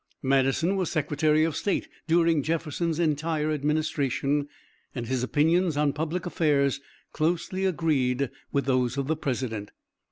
Madison was Secretary of State during Jefferson's entire administration, and his opinions on public affairs closely agreed with those of the President.